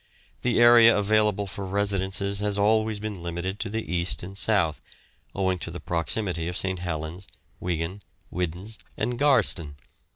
The area available for residences has always been limited to the east and south, owing to the proximity of St. Helens, Wigan, Widnes, and Garston.